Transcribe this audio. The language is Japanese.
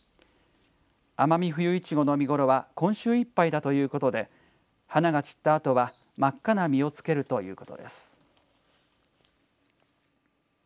アマミフユイチゴの見頃は今週いっぱいだということで花が散った後は真っ赤な実をつけるということです。